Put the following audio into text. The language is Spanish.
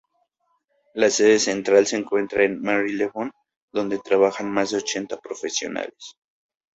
La sede central se encuentra en Marylebone, donde trabajan más de ochenta profesionales.